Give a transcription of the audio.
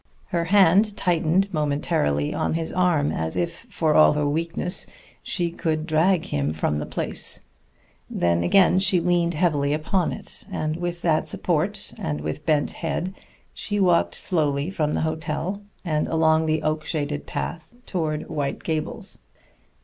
Her hand tightened momentarily on his arm as if, for all her weakness, she could drag him from the place; then again she leaned heavily upon it, and with that support, and with bent head, she walked slowly from the hotel and along the oak shaded path toward White Gables.